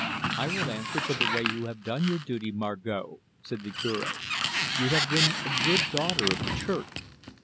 "I will answer for the way you have done your duty, Margot," said the Cure. "You have been a good daughter of the Church."